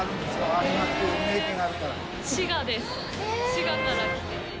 滋賀から来て。